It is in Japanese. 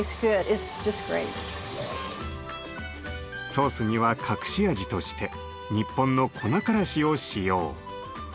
ソースには隠し味として日本の粉からしを使用。